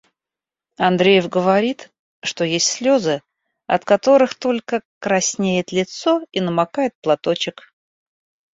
Андреев говорит, что есть слёзы, от которых только «краснеет лицо и намокает платочек».